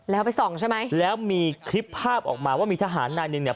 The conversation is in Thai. แล้วไปส่องใช่ไหมแล้วมีคลิปภาพออกมาว่ามีทหารนายหนึ่งเนี่ย